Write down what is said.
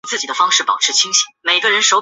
只生长于美洲大陆。